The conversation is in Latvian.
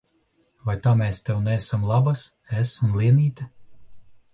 Vai ta mēs tev neesam labas, es un Lienīte?